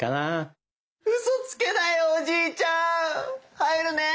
入るね！